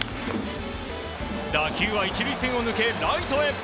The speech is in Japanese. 打球は１塁線を抜け、ライトへ。